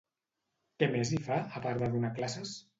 Què més hi fa, a part de donar classes?